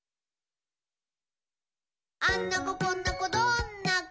「あんな子こんな子どんな子？